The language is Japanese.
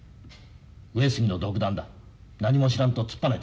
上杉の独断だ何も知らんと突っぱねてくれ。